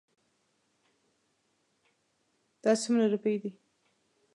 دا څومره روپی دي؟